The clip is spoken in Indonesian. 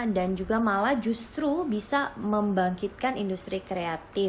dan juga malah justru bisa membangkitkan industri kreatif